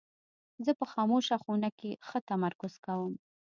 زه په خاموشه خونه کې ښه تمرکز کوم.